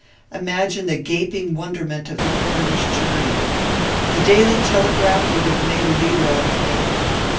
Imagine the gaping wonderment of the coroner's jury! The Daily Telegraph would have made a leader out of me.